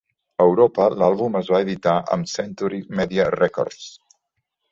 A Europa, l'àlbum es va editar amb Century Media Records.